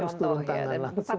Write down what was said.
harus turun tangan langsung memang